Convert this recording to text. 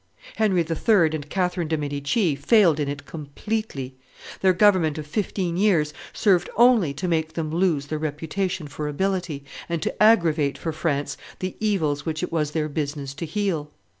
Henry III. and Catherine de' Medici failed in it completely; their government of fifteen years served only to make them lose their reputation for ability, and to aggravate for France the evils which it was their business to heal.